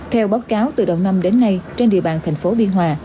theo báo cáo từ đầu năm đến nay trên địa bàn tp biên hòa